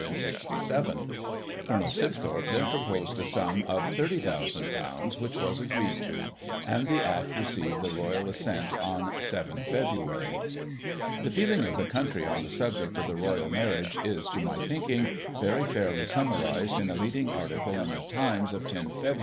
Col. Sib thorp then proposed a sum of ;£'30,ooo, which was agreed to, and the Act received the Royal Assent on 7 Feb. The feeling of the country on the subject of the Royal Marriage is, to my thinking, very fairly summarised in a leading article in the Times of 10 Feb.